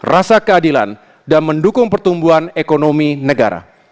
rasa keadilan dan mendukung pertumbuhan ekonomi negara